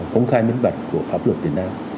công khai nguyên vật của pháp luật việt nam